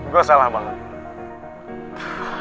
gue salah banget